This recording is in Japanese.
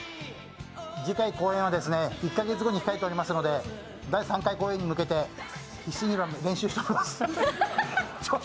次回公演は、１カ月後に控えておりますので、第３回公演に向けて必死に練習しております。